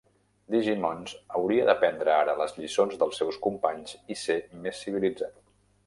Digimons hauria d"aprendre ara les lliçons dels seus companys i ser més civilitzat.